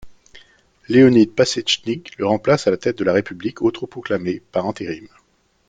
Leonid Pasetchnik le remplace à la tête de la république autoproclamée par intérim.